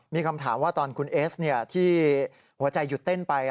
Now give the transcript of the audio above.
มีคำถามว่าตอนคุณเอสที่หัวใจหยุดเต้นไป